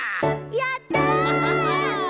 やった！